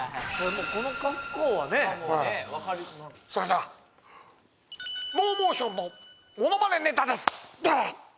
この格好はねそれではＮＯモーション。のものまねネタですどうぞ！